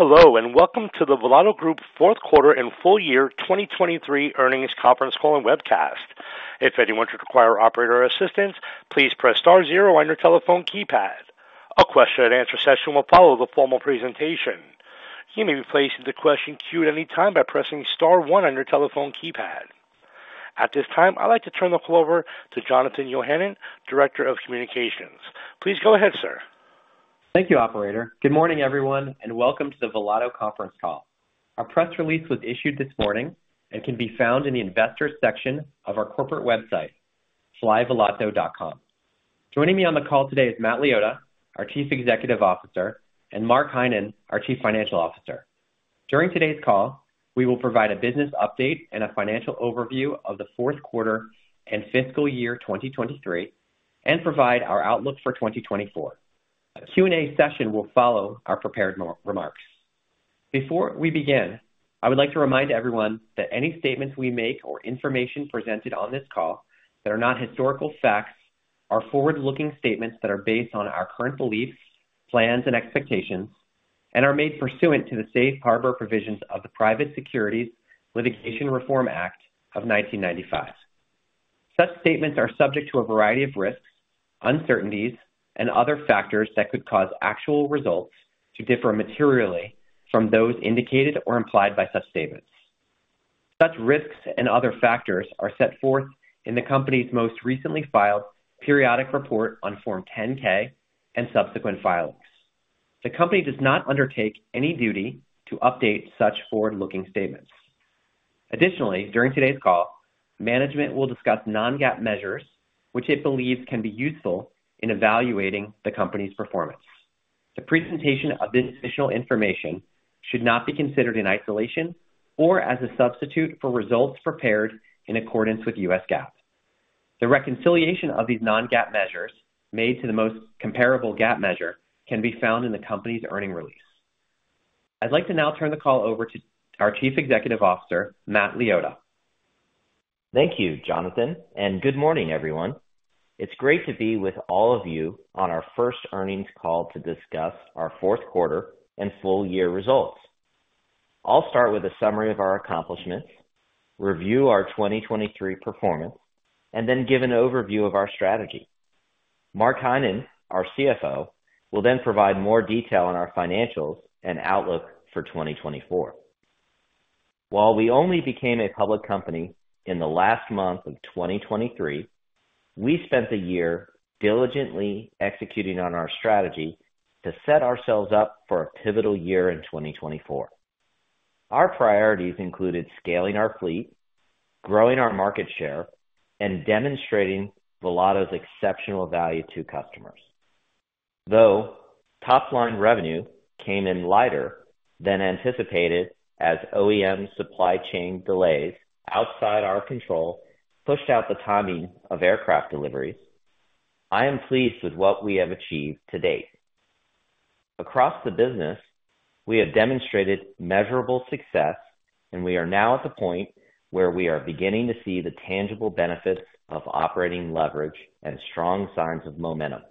Hello, and welcome to the Volato Group fourth quarter and full year 2023 earnings conference call and webcast. If anyone should require operator assistance, please press star zero on your telephone keypad. A question-and-answer session will follow the formal presentation. You may be placed in the question queue at any time by pressing star one on your telephone keypad. At this time, I'd like to turn the call over to Jonathan Johansen, Director of Communications. Please go ahead, sir. Thank you, operator. Good morning, everyone, and welcome to the Volato conference call. Our press release was issued this morning and can be found in the Investors section of our corporate website, flyvolato.com. Joining me on the call today is Matt Liotta, our Chief Executive Officer, and Mark Heinen, our Chief Financial Officer. During today's call, we will provide a business update and a financial overview of the fourth quarter and fiscal year 2023, and provide our outlook for 2024. A Q&A session will follow our prepared remarks. Before we begin, I would like to remind everyone that any statements we make or information presented on this call that are not historical facts are forward-looking statements that are based on our current beliefs, plans, and expectations, and are made pursuant to the Safe Harbor provisions of the Private Securities Litigation Reform Act of 1995. Such statements are subject to a variety of risks, uncertainties, and other factors that could cause actual results to differ materially from those indicated or implied by such statements. Such risks and other factors are set forth in the company's most recently filed periodic report on Form 10-K and subsequent filings. The company does not undertake any duty to update such forward-looking statements. Additionally, during today's call, management will discuss non-GAAP measures, which it believes can be useful in evaluating the company's performance. The presentation of this additional information should not be considered in isolation or as a substitute for results prepared in accordance with US GAAP. The reconciliation of these non-GAAP measures made to the most comparable GAAP measure can be found in the company's earnings release. I'd like to now turn the call over to our Chief Executive Officer, Matt Liotta. Thank you, Jonathan, and good morning, everyone. It's great to be with all of you on our first earnings call to discuss our fourth quarter and full year results. I'll start with a summary of our accomplishments, review our 2023 performance, and then give an overview of our strategy. Mark Heinen, our CFO, will then provide more detail on our financials and outlook for 2024. While we only became a public company in the last month of 2023, we spent the year diligently executing on our strategy to set ourselves up for a pivotal year in 2024. Our priorities included scaling our fleet, growing our market share, and demonstrating Volato's exceptional value to customers. Though top-line revenue came in lighter than anticipated as OEM supply chain delays outside our control pushed out the timing of aircraft deliveries, I am pleased with what we have achieved to date. Across the business, we have demonstrated measurable success, and we are now at the point where we are beginning to see the tangible benefits of operating leverage and strong signs of momentum.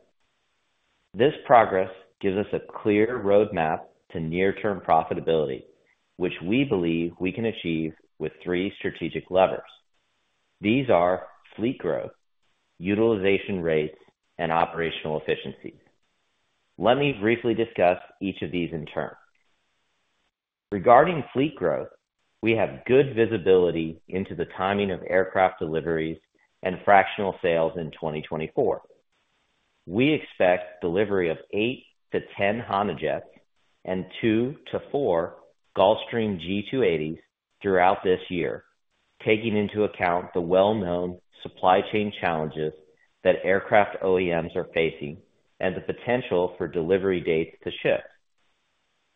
This progress gives us a clear roadmap to near-term profitability, which we believe we can achieve with three strategic levers. These are fleet growth, utilization rates, and operational efficiencies. Let me briefly discuss each of these in turn. Regarding fleet growth, we have good visibility into the timing of aircraft deliveries and fractional sales in 2024. We expect delivery of 8-10 HondaJets and 2-4 Gulfstream G280s throughout this year, taking into account the well-known supply chain challenges that aircraft OEMs are facing and the potential for delivery dates to shift.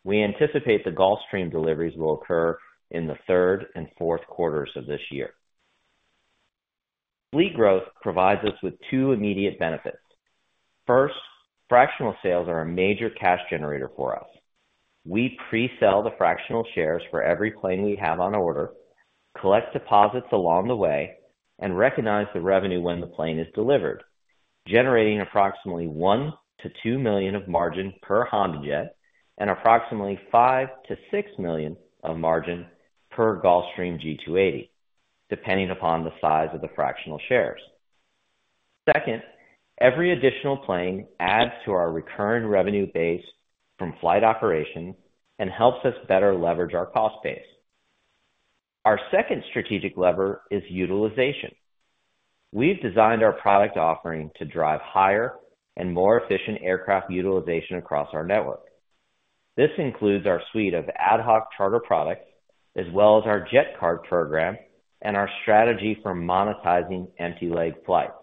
We anticipate the Gulfstream deliveries will occur in the third and fourth quarters of this year. Fleet growth provides us with two immediate benefits. First, fractional sales are a major cash generator for us. We pre-sell the fractional shares for every plane we have on order, collect deposits along the way, and recognize the revenue when the plane is delivered, generating approximately $1 million-$2 million of margin per HondaJet and approximately $5 million-$6 million of margin per Gulfstream G280, depending upon the size of the fractional shares. Second, every additional plane adds to our recurring revenue base from flight operations and helps us better leverage our cost base. Our second strategic lever is utilization. We've designed our product offering to drive higher and more efficient aircraft utilization across our network. This includes our suite of ad hoc charter products, as well as our jet card program and our strategy for monetizing empty leg flights.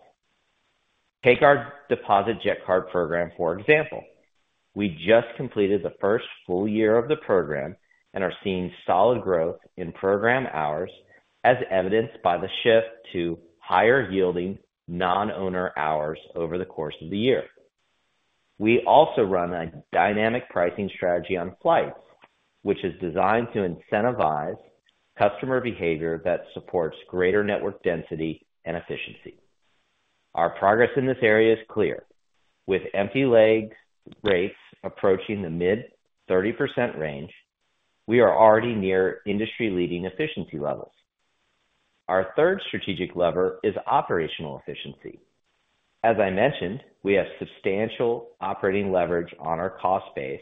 Take our deposit jet card program, for example. We just completed the first full year of the program and are seeing solid growth in program hours, as evidenced by the shift to higher-yielding non-owner hours over the course of the year. We also run a dynamic pricing strategy on flights, which is designed to incentivize customer behavior that supports greater network density and efficiency.... Our progress in this area is clear. With empty leg rates approaching the mid-30% range, we are already near industry-leading efficiency levels. Our third strategic lever is operational efficiency. As I mentioned, we have substantial operating leverage on our cost base,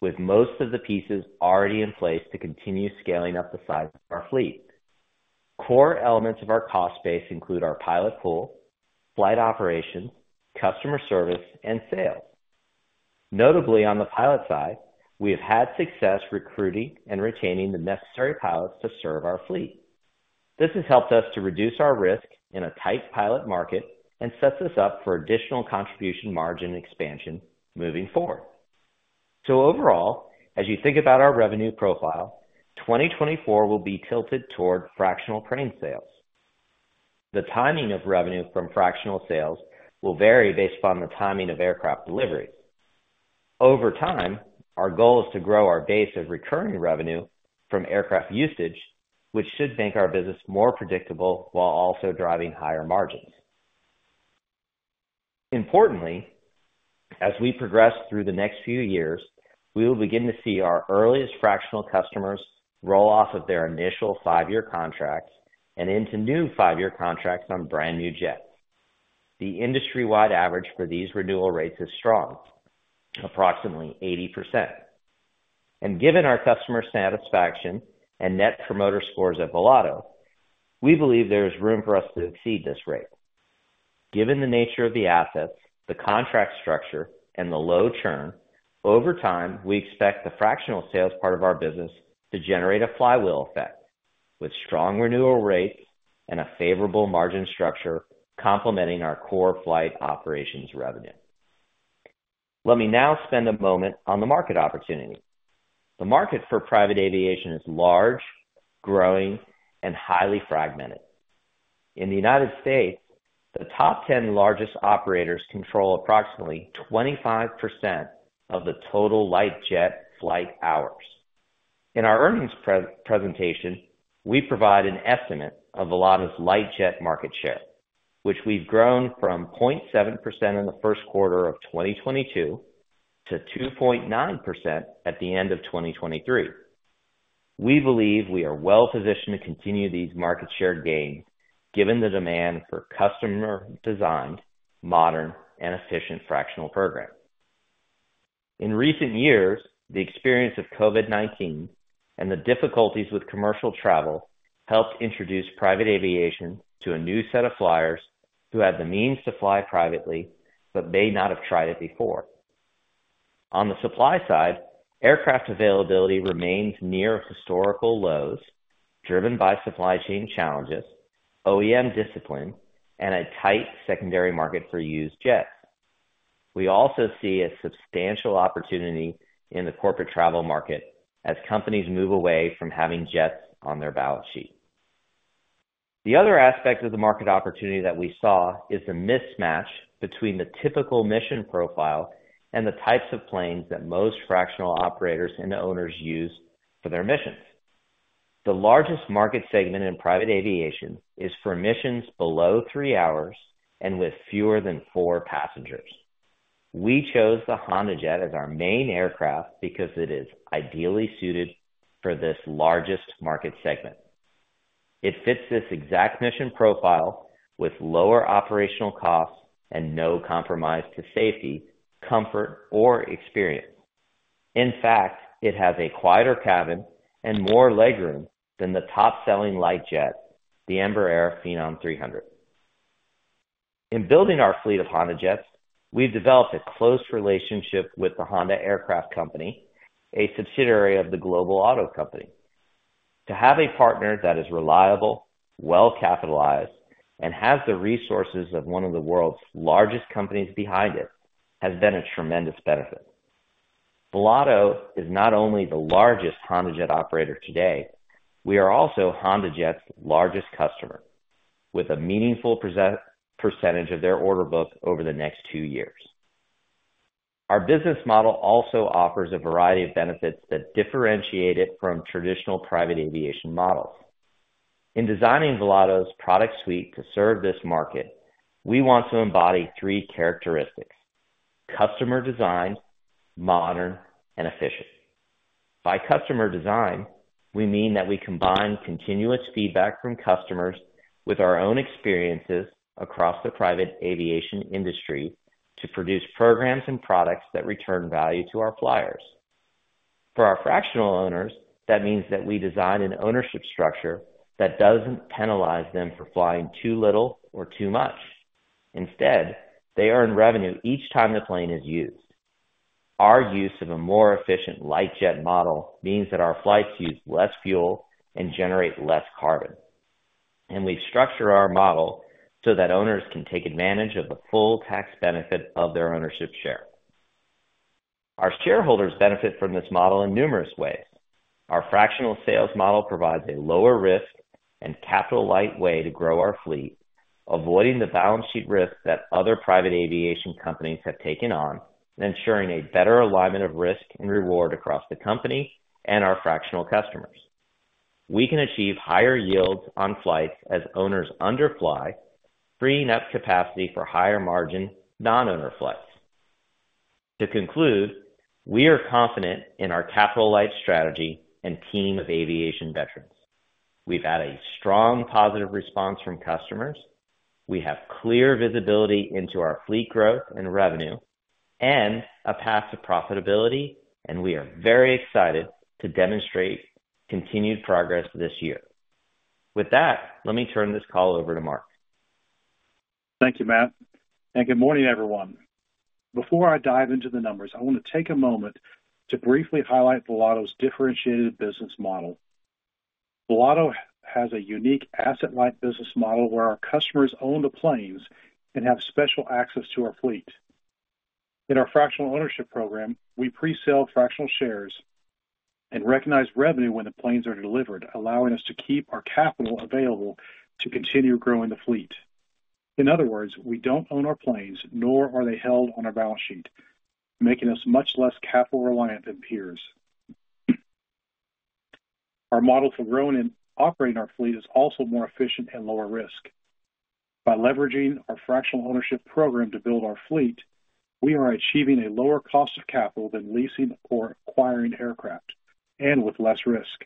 with most of the pieces already in place to continue scaling up the size of our fleet. Core elements of our cost base include our pilot pool, flight operations, customer service, and sales. Notably, on the pilot side, we have had success recruiting and retaining the necessary pilots to serve our fleet. This has helped us to reduce our risk in a tight pilot market and sets us up for additional contribution margin expansion moving forward. So overall, as you think about our revenue profile, 2024 will be tilted toward fractional share sales. The timing of revenue from fractional sales will vary based upon the timing of aircraft delivery. Over time, our goal is to grow our base of recurring revenue from aircraft usage, which should make our business more predictable while also driving higher margins. Importantly, as we progress through the next few years, we will begin to see our earliest fractional customers roll off of their initial five-year contracts and into new five-year contracts on brand-new jets. The industry-wide average for these renewal rates is strong, approximately 80%, and given our customer satisfaction and Net Promoter Scores at Volato, we believe there is room for us to exceed this rate. Given the nature of the assets, the contract structure, and the low churn, over time, we expect the fractional sales part of our business to generate a flywheel effect, with strong renewal rates and a favorable margin structure complementing our core flight operations revenue. Let me now spend a moment on the market opportunity. The market for private aviation is large, growing, and highly fragmented. In the United States, the top 10 largest operators control approximately 25% of the total light jet flight hours. In our earnings presentation, we provide an estimate of Volato light jet market share, which we've grown from 0.7% in the first quarter of 2022 to 2.9% at the end of 2023. We believe we are well positioned to continue these market share gains, given the demand for customer-designed, modern, and efficient fractional programs. In recent years, the experience of COVID-19 and the difficulties with commercial travel helped introduce private aviation to a new set of flyers who had the means to fly privately but may not have tried it before. On the supply side, aircraft availability remains near historical lows, driven by supply chain challenges, OEM discipline, and a tight secondary market for used jets. We also see a substantial opportunity in the corporate travel market as companies move away from having jets on their balance sheet. The other aspect of the market opportunity that we saw is the mismatch between the typical mission profile and the types of planes that most fractional operators and owners use for their missions. The largest market segment in private aviation is for missions below three hours and with fewer than four passengers. We chose the HondaJet as our main aircraft because it is ideally suited for this largest market segment. It fits this exact mission profile with lower operational costs and no compromise to safety, comfort, or experience. In fact, it has a quieter cabin and more legroom than the top-selling light jet, the Embraer Phenom 300. In building our fleet of HondaJets, we've developed a close relationship with the Honda Aircraft Company, a subsidiary of the global auto company. To have a partner that is reliable, well-capitalized, and has the resources of one of the world's largest companies behind it, has been a tremendous benefit. Volato is not only the largest HondaJet operator today, we are also HondaJet's largest customer, with a meaningful percentage of their order book over the next two years. Our business model also offers a variety of benefits that differentiate it from traditional private aviation models. In designing Volato's product suite to serve this market, we want to embody three characteristics: customer design, modern, and efficient. By customer design, we mean that we combine continuous feedback from customers with our own experiences across the private aviation industry to produce programs and products that return value to our flyers. For our fractional owners, that means that we design an ownership structure that doesn't penalize them for flying too little or too much. Instead, they earn revenue each time the plane is used. Our use of a more efficient light jet model means that our flights use less fuel and generate less carbon, and we structure our model so that owners can take advantage of the full tax benefit of their ownership share. Our shareholders benefit from this model in numerous ways. Our fractional sales model provides a lower risk and capital-light way to grow our fleet, avoiding the balance sheet risk that other private aviation companies have taken on and ensuring a better alignment of risk and reward across the company and our fractional customers... we can achieve higher yields on flights as owners underfly, freeing up capacity for higher margin non-owner flights. To conclude, we are confident in our capital-light strategy and team of aviation veterans. We've had a strong positive response from customers. We have clear visibility into our fleet growth and revenue, and a path to profitability, and we are very excited to demonstrate continued progress this year. With that, let me turn this call over to Mark. Thank you, Matt, and good morning, everyone. Before I dive into the numbers, I want to take a moment to briefly highlight Volato's differentiated business model. Volato has a unique asset-light business model where our customers own the planes and have special access to our fleet. In our fractional ownership program, we pre-sell fractional shares and recognize revenue when the planes are delivered, allowing us to keep our capital available to continue growing the fleet. In other words, we don't own our planes, nor are they held on our balance sheet, making us much less capital reliant than peers. Our model for growing and operating our fleet is also more efficient and lower risk. By leveraging our fractional ownership program to build our fleet, we are achieving a lower cost of capital than leasing or acquiring aircraft, and with less risk.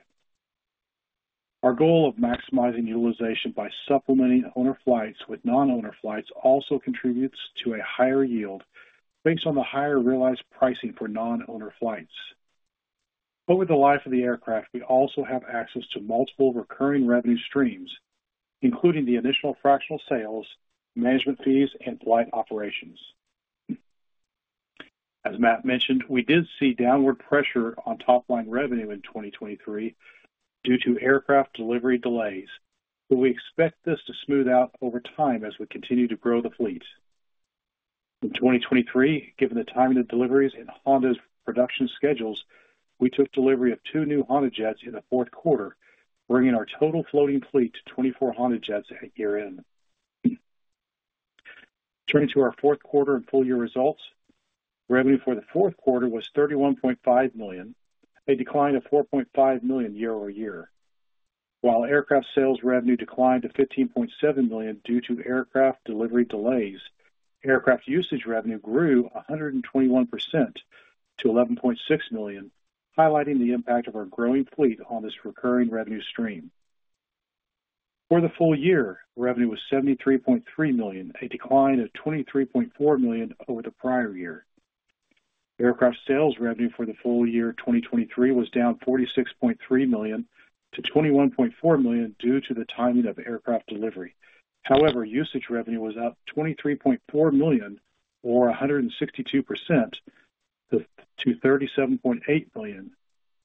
Our goal of maximizing utilization by supplementing owner flights with non-owner flights also contributes to a higher yield based on the higher realized pricing for non-owner flights. Over the life of the aircraft, we also have access to multiple recurring revenue streams, including the initial fractional sales, management fees, and flight operations. As Matt mentioned, we did see downward pressure on top-line revenue in 2023 due to aircraft delivery delays, but we expect this to smooth out over time as we continue to grow the fleet. In 2023, given the timing of deliveries and Honda's production schedules, we took delivery of 2 new HondaJets in the fourth quarter, bringing our total floating fleet to 24 HondaJets at year-end. Turning to our fourth quarter and full year results, revenue for the fourth quarter was $31.5 million, a decline of $4.5 million year over year. While aircraft sales revenue declined to $15.7 million due to aircraft delivery delays, aircraft usage revenue grew 121% to $11.6 million, highlighting the impact of our growing fleet on this recurring revenue stream. For the full year, revenue was $73.3 million, a decline of $23.4 million over the prior year. Aircraft sales revenue for the full year 2023 was down $46.3 million to $21.4 million due to the timing of aircraft delivery. However, usage revenue was up $23.4 million, or 162%, to $37.8 million,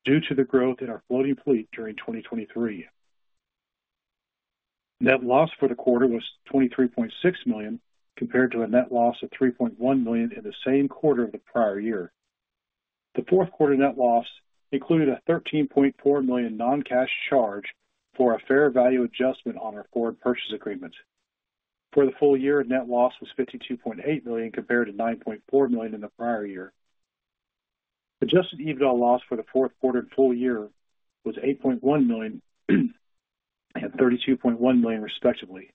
due to the growth in our floating fleet during 2023. Net loss for the quarter was $23.6 million, compared to a net loss of $3.1 million in the same quarter of the prior year. The fourth quarter net loss included a $13.4 million non-cash charge for a fair value adjustment on our forward purchase agreement. For the full year, net loss was $52.8 million, compared to $9.4 million in the prior year. Adjusted EBITDA loss for the fourth quarter and full year was $8.1 million and $32.1 million, respectively.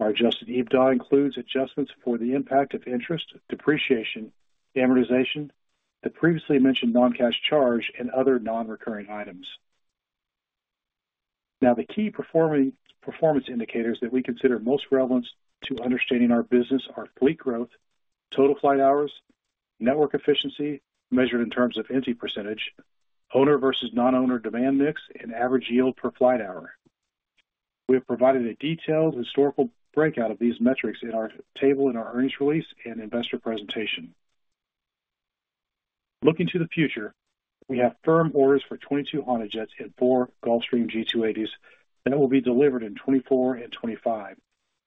Our Adjusted EBITDA includes adjustments for the impact of interest, depreciation, amortization, the previously mentioned non-cash charge, and other non-recurring items. Now, the key performance indicators that we consider most relevant to understanding our business are fleet growth, total flight hours, network efficiency, measured in terms of empty percentage, owner versus non-owner demand mix, and average yield per flight hour. We have provided a detailed historical breakout of these metrics in our table in our earnings release and investor presentation. Looking to the future, we have firm orders for 22 HondaJets and 4 Gulfstream G280s that will be delivered in 2024 and 2025.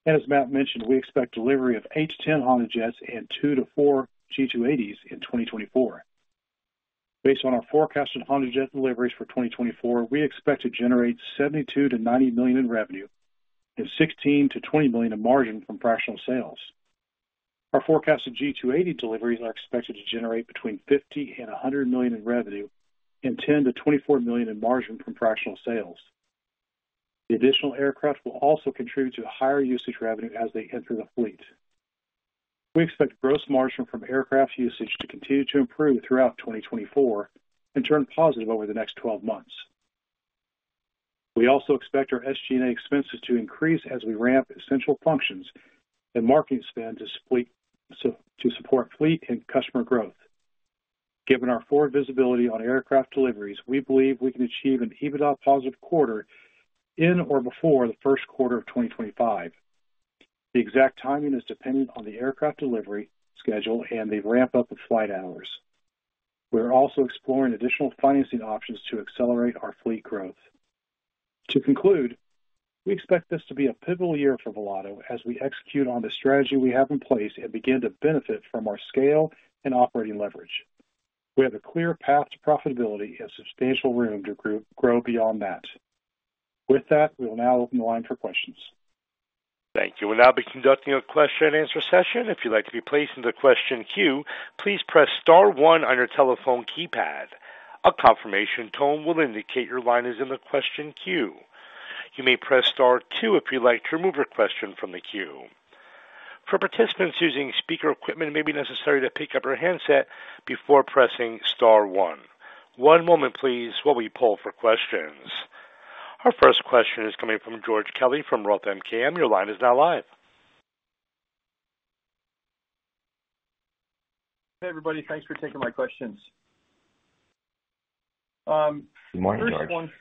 As Matt mentioned, we expect delivery of 8-10 HondaJets and 2-4 G280s in 2024. Based on our forecasted HondaJet deliveries for 2024, we expect to generate $72 million-$90 million in revenue and $16 million-$20 million in margin from fractional sales. Our forecasted G280 deliveries are expected to generate $50-$100 million in revenue and $10-$24 million in margin from fractional sales. The additional aircraft will also contribute to higher usage revenue as they enter the fleet. We expect gross margin from aircraft usage to continue to improve throughout 2024 and turn positive over the next 12 months. We also expect our SG&A expenses to increase as we ramp essential functions and marketing spend to support fleet and customer growth. Given our forward visibility on aircraft deliveries, we believe we can achieve an EBITDA positive quarter in or before the first quarter of 2025. The exact timing is dependent on the aircraft delivery schedule and the ramp-up of flight hours. We are also exploring additional financing options to accelerate our fleet growth. To conclude, we expect this to be a pivotal year for Volato as we execute on the strategy we have in place and begin to benefit from our scale and operating leverage. We have a clear path to profitability and substantial room to grow, grow beyond that. With that, we will now open the line for questions. Thank you. We'll now be conducting a question and answer session. If you'd like to be placed in the question queue, please press star one on your telephone keypad. A confirmation tone will indicate your line is in the question queue. You may press star two if you'd like to remove your question from the queue. For participants using speaker equipment, it may be necessary to pick up your handset before pressing star one. One moment, please, while we poll for questions. Our first question is coming from George Kelly from Roth MKM. Your line is now live. Hey, everybody. Thanks for taking my questions. Good morning, George. First one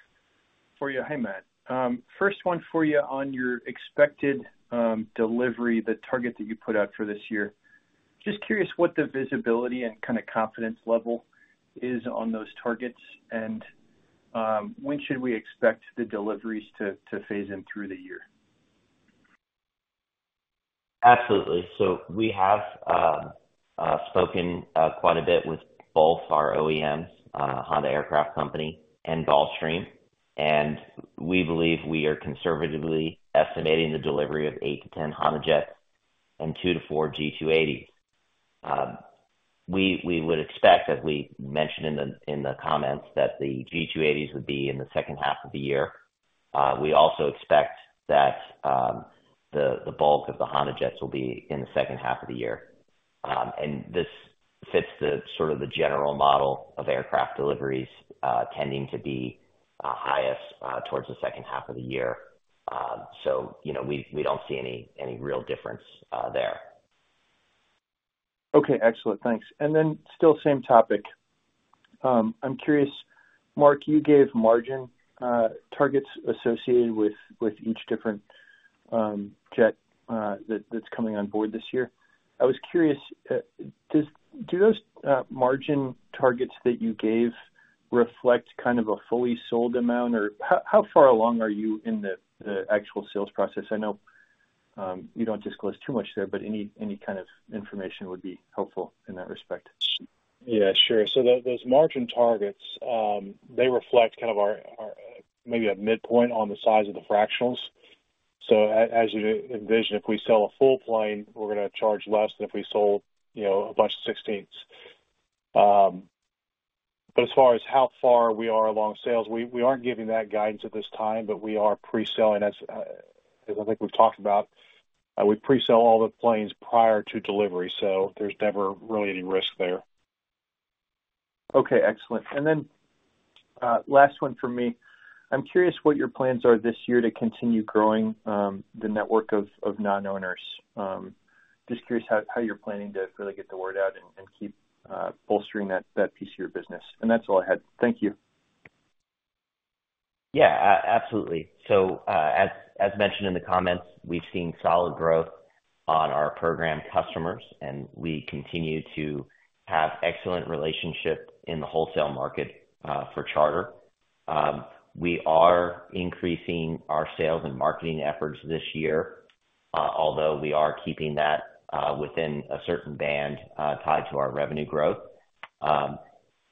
for you. Hey, Matt. First one for you on your expected delivery, the target that you put out for this year. Just curious what the visibility and kind of confidence level is on those targets, and when should we expect the deliveries to phase in through the year? Absolutely. So we have spoken quite a bit with both our OEMs, Honda Aircraft Company and Gulfstream, and we believe we are conservatively estimating the delivery of 8-10 HondaJets and 2-4 G280s. We would expect, as we mentioned in the comments, that the G280s would be in the second half of the year. We also expect that the bulk of the HondaJets will be in the second half of the year. And this fits sort of the general model of aircraft deliveries, tending to be highest towards the second half of the year. So, you know, we don't see any real difference there. Okay, excellent. Thanks. And then still same topic. I'm curious, Mark, you gave margin targets associated with each different jet that's coming on board this year. I was curious, do those margin targets that you gave reflect kind of a fully sold amount? Or how far along are you in the actual sales process? I know you don't disclose too much there, but any kind of information would be helpful in that respect. Yeah, sure. So those margin targets, they reflect kind of our maybe a midpoint on the size of the fractionals. So as you envision, if we sell a full plane, we're going to charge less than if we sold, you know, a bunch of sixteenths. But as far as how far we are along sales, we aren't giving that guidance at this time, but we are pre-selling. As I think we've talked about, we pre-sell all the planes prior to delivery, so there's never really any risk there. Okay, excellent. And then, last one for me. I'm curious what your plans are this year to continue growing the network of non-owners. Just curious how you're planning to really get the word out and keep bolstering that piece of your business. And that's all I had. Thank you. Yeah, absolutely. So, as mentioned in the comments, we've seen solid growth on our program customers, and we continue to have excellent relationship in the wholesale market for charter. We are increasing our sales and marketing efforts this year, although we are keeping that within a certain band tied to our revenue growth.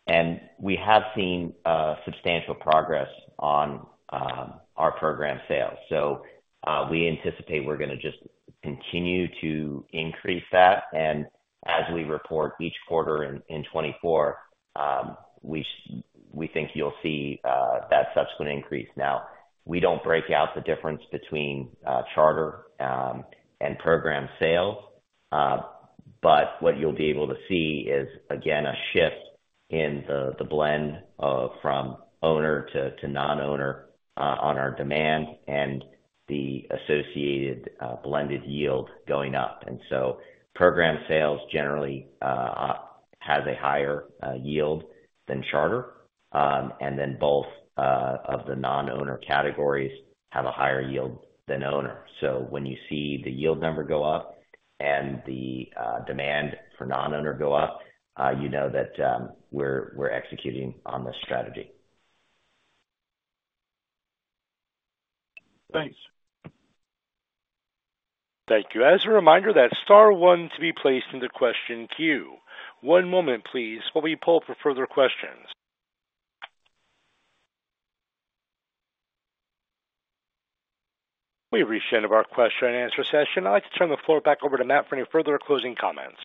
And we have seen substantial progress on our program sales, so we anticipate we're going to just continue to increase that. And as we report each quarter in 2024, we think you'll see that subsequent increase. Now, we don't break out the difference between charter and program sales, but what you'll be able to see is, again, a shift in the blend from owner to non-owner on our demand and the associated blended yield going up. So program sales generally has a higher yield than charter. And then both of the non-owner categories have a higher yield than owner. So when you see the yield number go up and the demand for non-owner go up, you know that we're executing on this strategy. Thanks. Thank you. As a reminder, that's star one to be placed in the question queue. One moment, please, while we poll for further questions. We've reached the end of our question and answer session. I'd like to turn the floor back over to Matt for any further closing comments.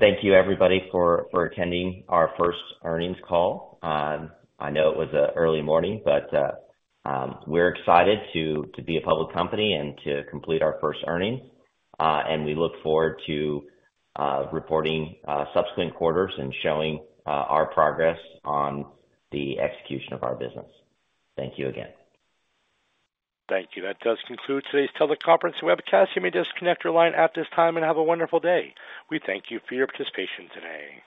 Thank you, everybody, for attending our first earnings call. I know it was an early morning, but we're excited to be a public company and to complete our first earnings. We look forward to reporting subsequent quarters and showing our progress on the execution of our business. Thank you again. Thank you. That does conclude today's teleconference webcast. You may disconnect your line at this time and have a wonderful day. We thank you for your participation today.